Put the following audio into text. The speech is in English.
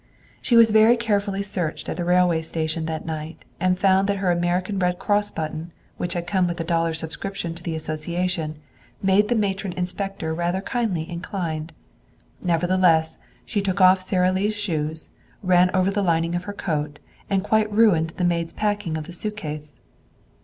She was very carefully searched at the railway station that night and found that her American Red Cross button, which had come with her dollar subscription to the association, made the matron inspector rather kindly inclined. Nevertheless, she took off Sara Lee's shoes, and ran over the lining of her coat, and quite ruined the maid's packing of the suitcase.